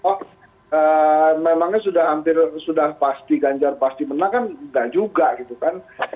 oh memangnya sudah hampir sudah pasti ganjar pasti menang kan enggak juga gitu kan